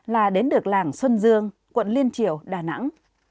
là đến được làng xuân dương quận liên triều đà nẵng